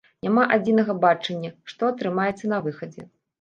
Няма адзінага бачання, што атрымаецца на выхадзе.